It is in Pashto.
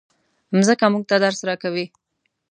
مځکه موږ ته درس راکوي.